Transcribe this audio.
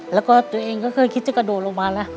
แล้วก็ตัวเองก็เคยคิดจะกระโดดลงมาแล้ว